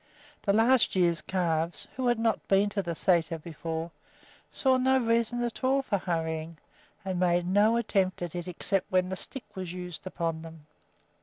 The last year's calves, who had not been to the sæter before, saw no reason at all for hurrying, and made no attempt at it except when the stick was used upon them.